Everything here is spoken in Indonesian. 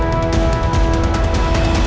tidak ada yang bisa dihukum